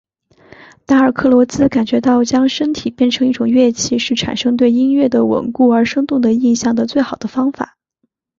达尔克罗兹感觉到将身体变成一种乐器是产生对音乐的稳固而生动的印象的最好的方法。